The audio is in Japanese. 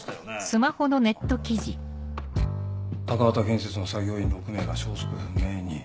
「鷹畠建設の作業員６名が消息不明に」。